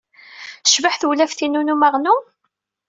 Tecbeḥ tewlaft-inu n umaɣnu?